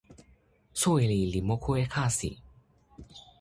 soweli li moku e kasi.